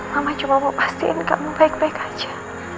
mama cuma mau pastiin kamu baik baik aja